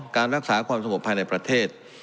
การรักษาความสงบภายในประเทศ